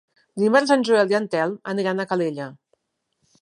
Dimarts en Joel i en Telm aniran a Calella.